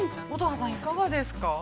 ◆乙葉さん、いかがですか。